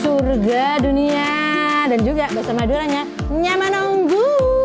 surga dunia dan juga bahasa maduranya nyamanonggu